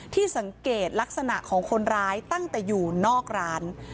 ที่สังเกตลักษณะของคนร้ายตั้งแต่อยู่นอกร้าน